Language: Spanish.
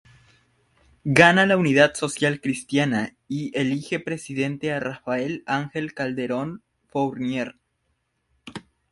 Gana la Unidad Social Cristiana y elige presidente a Rafael Ángel Calderón Fournier.